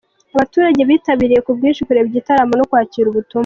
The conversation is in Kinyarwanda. Abaturage bitabiriye ku bwinshi kureba iki gitaramo no kwakira ubutumwa.